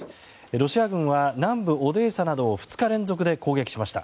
ロシア軍は南部オデーサなどを２日連続で攻撃しました。